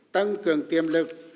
tăng cường tiềm lực